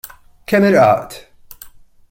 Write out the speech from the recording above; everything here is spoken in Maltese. Kemm Irqaqt!